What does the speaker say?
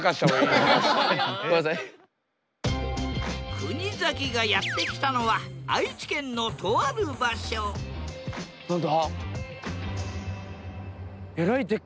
国崎がやって来たのは愛知県のとある場所何だ？